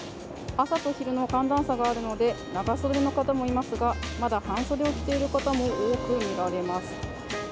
朝と昼の寒暖差があるので長袖の方もいますがまだ半袖を着ている方も多く見られます。